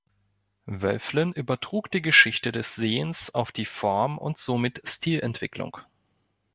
Wölfflin übertrug die Geschichte des Sehens auf die Form- und somit Stilentwicklung.